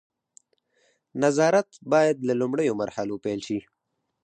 نظارت باید له لومړیو مرحلو پیل شي.